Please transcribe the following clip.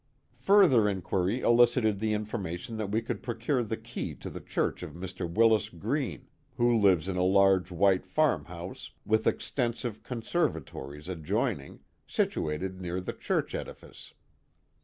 Further inquiry elicited the information that we could procure the key to the church of Mr. Willis Green, who lives in a large white farm house, with extensive conservatories adjoining, situated near the church edifice.